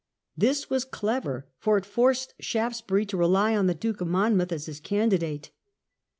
This was clever, for it forced Shaftesbury to rely on the Duke of Mon mouth as his candidate.